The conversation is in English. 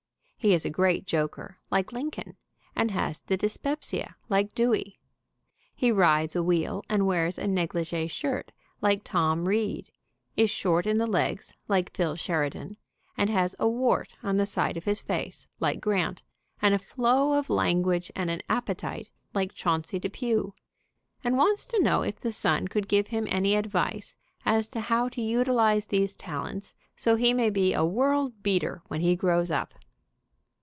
He is a great joker, like Lincoln, and has the dyspepsia, like Dewey. He rides a wheel and wears a negligee shirt, like Tom Reed, is short in the legs, like Phil. Sheridan, and has a wart on the side of his face, like Grant, and a flow of language and an appetite like Chauncey Depew, and wants to know if The Sun could give him any advice as to how to utilize these talents so he may be a world beater when he grows up.